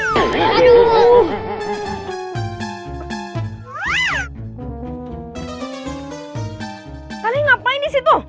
kau ngapain di situ